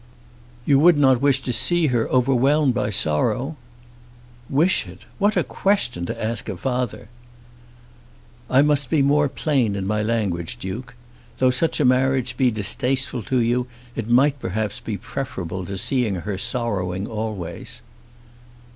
"You would not wish to see her overwhelmed by sorrow?" "Wish it! What a question to ask a father!" "I must be more plain in my language, Duke. Though such a marriage be distasteful to you, it might perhaps be preferable to seeing her sorrowing always."